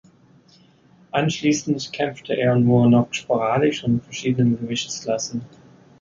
Anschließend kämpfte er nur noch sporadisch und in verschiedenen Gewichtsklassen.